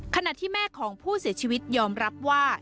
ขณะที่แม่ของผู้เสียชีวิตยอมรับว่า